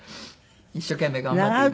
一生懸命頑張っています。